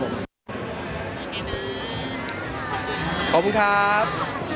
ขอบคุณครับ